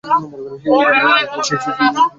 সে ঠিক আপনার পিছনে বসে আছে।